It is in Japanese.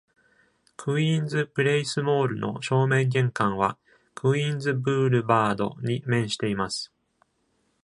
クイーンズプレイスモールの正面玄関は、クイーンズブールバードに面しています。